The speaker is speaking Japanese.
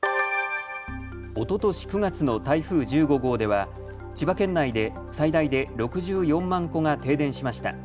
おととし９月の台風１５号では千葉県内で最大で６４万戸が停電しました。